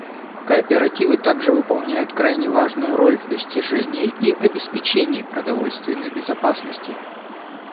Кооперативы также выполняют крайне важную роль в достижении и обеспечении продовольственной безопасности.